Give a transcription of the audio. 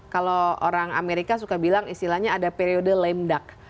kalau orang amerika suka bilang istilahnya ada periode lemdak